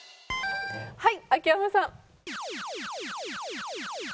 はい秋山さん。